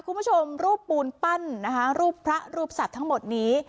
คุณผู้ชมรูปปูนปั้นนะคะรูปพระรูปสัตว์ทั้งหมดนี้